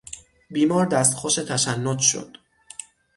بیمار دستخوش تشنج شد.